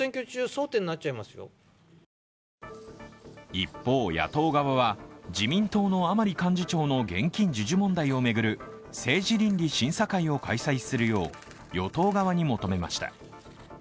一方、野党側は、自民党の甘利幹事長の現金授受問題を巡る政治倫理審査会を開催するよう与党側に求めました。